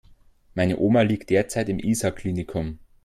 Meine Oma liegt derzeit im Isar Klinikum.